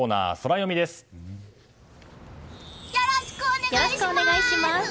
よろしくお願いします！